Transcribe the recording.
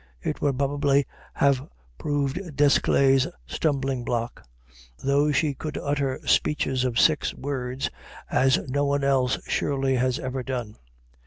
It would probably have proved Desclée's stumbling block, though she could utter speeches of six words as no one else surely has ever done.